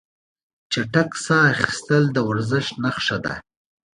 چټک ساه اخیستل د ورزش نښه ده.